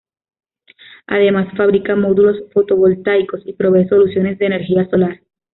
Además fabrica módulos fotovoltaicos y provee soluciones de energía solar.